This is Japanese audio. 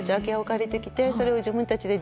自分たちで